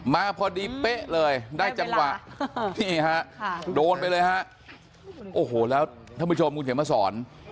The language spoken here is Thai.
มาพอดีเป๊ะเลยได้จังหวะนี่ฮะโดนไปเลยฮะโอ้โหแล้วท่านผู้ชมคุณเขียนมาสอน